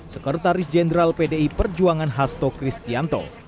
sekretaris jenderal pdi perjuangan hasto kristianto